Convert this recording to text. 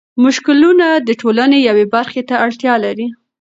مشکلونه د ټولنې یوې برخې ته اړتيا لري.